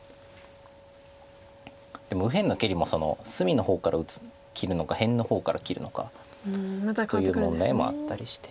でも右辺の切りも隅の方から切るのか辺の方から切るのかという問題もあったりして。